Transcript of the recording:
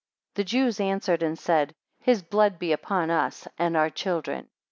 21 The Jews answered and said, His blood be upon us and our children.